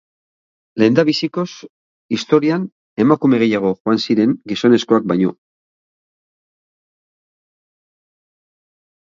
Lehendabizikoz historian emakume gehiago joan ziren gizonezkoak baino.